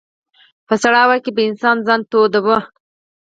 په سړه هوا کې به انسان ځان توداوه.